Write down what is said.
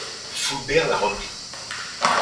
Fulbert l’a repris.